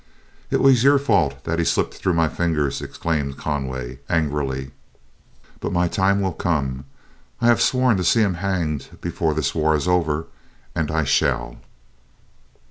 "It was your fault that he slipped through my fingers," exclaimed Conway, angrily, "but my time will come. I have swore to see him hanged before this war is over, and I shall."